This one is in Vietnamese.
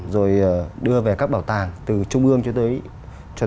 rồi đưa về các bảo tàng từ trung ương cho tới địa phương